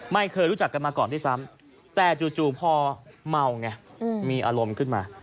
ไม่เคยรู้จักกันมาก่อนด้วยซ้ำแต่จู่พอเมาไงมีอารมณ์ขึ้นมา